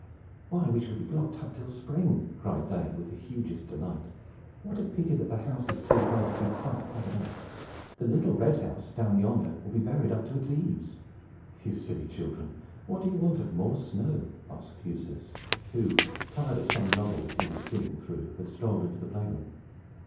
"Why, we shall be blocked up till spring!" cried they, with the hugest delight. "What a pity that the house is too high to be quite covered up! The little red house, down yonder, will be buried up to its eaves." "You silly children, what do you want of more snow?" asked Eustace, who, tired of some novel that he was skimming through, had strolled into the play room.